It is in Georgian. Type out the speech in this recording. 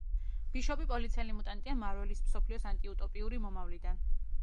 ბიშოპი პოლიციელი მუტანტია მარველის მსოფლიოს ანტიუტოპიური მომავლიდან.